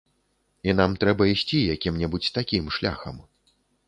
І нам трэба ісці якім-небудзь такім шляхам.